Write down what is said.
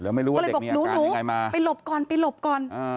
ก็เลยบอกหนูหนูไปหลบก่อนไปหลบก่อน